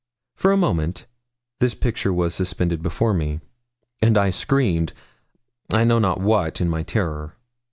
For a moment this picture was suspended before me, and I screamed, I know not what, in my terror.